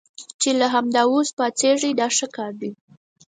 چې له همدا اوس پاڅېږئ دا ښه کار دی.